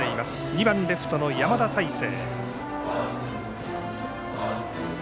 ２番、レフトの山田太成。